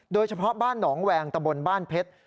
โดยเฉพาะบ้านหนองแวงตะบนบ้านเพชร